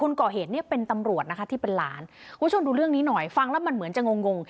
คนก่อเหตุเนี่ยเป็นตำรวจนะคะที่เป็นหลานคุณผู้ชมดูเรื่องนี้หน่อยฟังแล้วมันเหมือนจะงงง